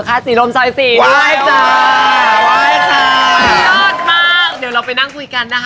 กูยายแล้วเหรอ